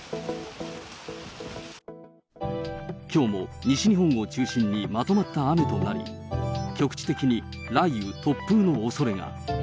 きょうも西日本を中心にまとまった雨となり、局地的に雷雨、突風のおそれが。